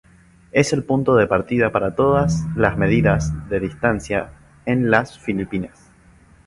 Es el punto de partida para todas las medidas de distancia en las Filipinas.